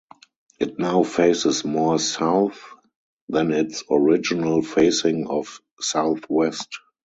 It now faces more south than its original facing of southwest.